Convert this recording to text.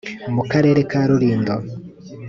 mu karere ka rulindo,